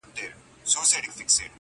• دا هيواد به آزاديږي -